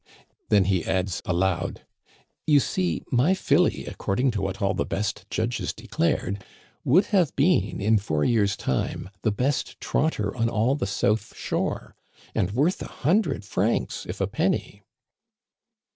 Then he adds aloud :" You see, my filly, according to what all the best judges declared, would have been in four years' time the best trotter on all the south shore, and worth a hundred francs if a penny."